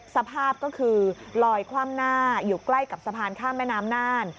สภาพก็คือลอยคว่ำหน้าอยู่ใกล้กับสะพานข้ามแม่น้ำน่าน